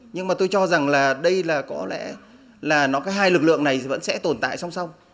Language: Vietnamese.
nhưng mà tôi cho rằng là đây là có lẽ là nó có hai lực lượng này vẫn sẽ tồn tại song song